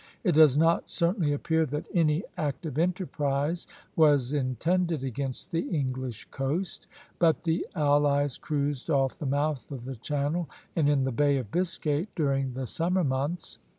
It does not certainly appear that any active enterprise was intended against the English coast; but the allies cruised off the mouth of the Channel and in the Bay of Biscay during the summer months.